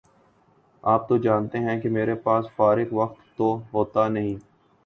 آپ تو جانتے ہیں کہ میرے باس فارغ وقت تو ہوتا نہیں